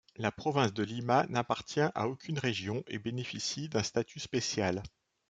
La province de Lima n'appartient à aucune région et bénéficie d'un statut spécial.